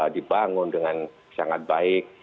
dibangun dengan sangat baik